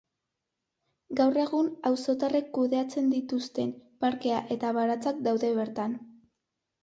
Gaur egun, auzotarrek kudeatzen dituzten parkea eta baratzak daude bertan.